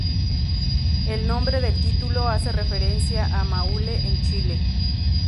El nombre del título hace referencia a Maule, en Chile.